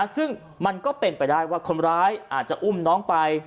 ซึ่งมันก็เป็นไปได้ว่าคนร้ายอาจจะอุ้มน้องไป